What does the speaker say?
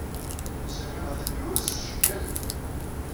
Sami atan yurez s tcekkalin.